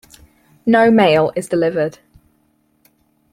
No mail is delivered.